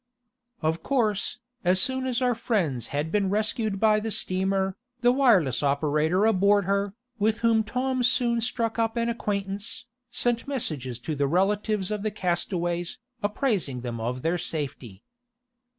Of course, as soon as our friends had been rescued by the steamer, the wireless operator aboard her, with whom Tom soon struck up an acquaintance, sent messages to the relatives of the castaways, apprising them of their safety.